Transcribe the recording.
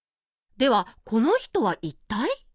ではこの人は一体？